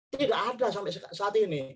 ini tidak ada sampai saat ini